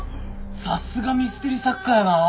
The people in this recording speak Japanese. さすがミステリ作家やなあ。